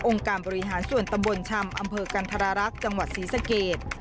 องค์การบริหารส่วนตะบลชำอำเภอกันธรรรักจังหวัดซีสเกต